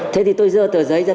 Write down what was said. thế thì tôi dơ tờ giấy ra